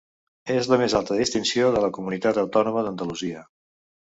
És la més alta distinció de la Comunitat Autònoma d'Andalusia.